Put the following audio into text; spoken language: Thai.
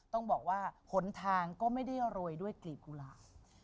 ต้องบอกว่าหนทางก็ไม่ได้โรยด้วยกลีบกุหลาบ